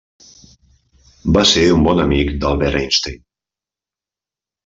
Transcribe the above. Va ser un bon amic d'Albert Einstein.